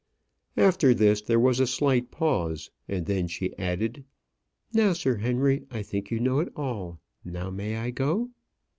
After this there was a slight pause, and then she added: "Now, Sir Henry, I think you know it all. Now may I go?"